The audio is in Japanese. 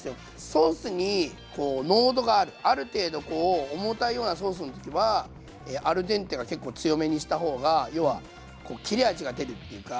ソースに濃度があるある程度重たいようなソースの時はアルデンテが結構強めにした方が要は切れ味が出るっていうか。